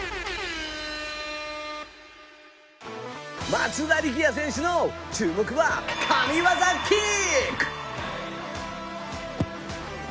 松田力也選手の注目は神ワザキック。